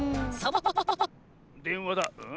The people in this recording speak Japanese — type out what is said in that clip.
でんわだ。